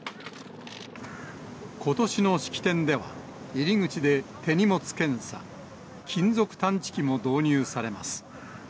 ことしの式典では、入り口で手荷物検査、金属探知機も導入されます。